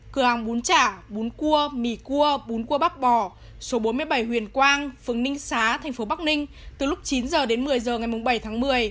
cửa hàng bún chả bún cua mì cua bún cua bắp bò số bốn mươi bảy huyền quang phường ninh xá thành phố bắc ninh từ lúc chín h đến một mươi h ngày bảy tháng một mươi